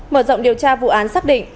mở rộng điều tra vụ án xác định